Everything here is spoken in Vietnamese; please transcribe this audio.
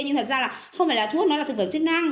nhưng thật ra là không phải là thuốc nó là thực phẩm chức năng